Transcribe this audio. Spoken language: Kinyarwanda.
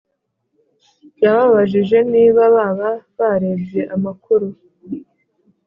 yababajije niba baba barebye amakuru